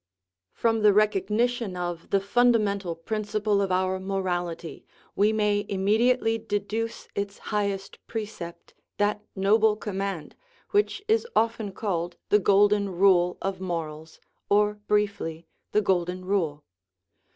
From the recognition of the fundamental principle of our morality we may immediately deduce its high est precept, that noble command, which is often called the Golden Rule of morals, or, briefly, the Golden Rule.